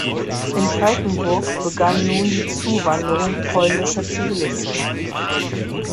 In Falkenburg begann nun die Zuwanderung polnischer Zivilisten.